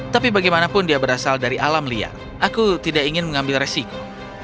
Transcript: tapi bagaimanapun dia berasal dari alam liar aku tidak ingin mengambil resiko